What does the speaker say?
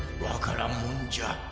わからんもんじゃ。